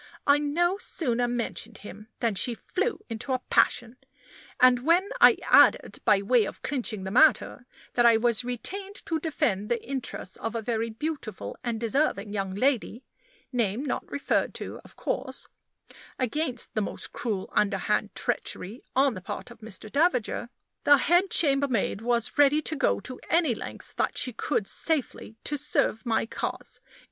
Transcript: I no sooner mentioned him than she flew into a passion; and when I added, by way of clinching the matter, that I was retained to defend the interests of a very beautiful and deserving young lady (name not referred to, of course) against the most cruel underhand treachery on the part of Mr. Davager, the head chambermaid was ready to go any lengths that she could safely to serve my cause.